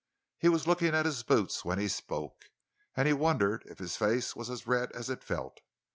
He was looking at his boots when he spoke, and he wondered if his face was as red as it felt.